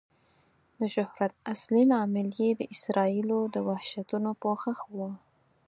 د شهرت اصلي لامل یې د اسرائیلو د وحشتونو پوښښ و.